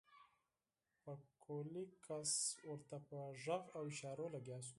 پکولي کس ورته په غږ او اشارو لګيا شو.